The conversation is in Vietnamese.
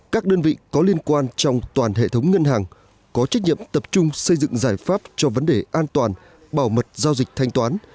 các đơn vị có liên quan trong toàn hệ thống ngân hàng có trách nhiệm tập trung xây dựng giải pháp cho vấn đề an toàn bảo mật giao dịch thanh toán